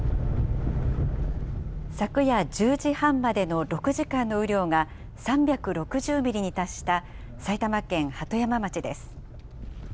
昨夜１０時半までの６時間の雨量が、３６０ミリに達した埼玉県鳩山町です。